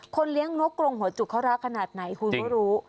เลี้ยงนกกรงหัวจุกเขารักขนาดไหนคุณก็รู้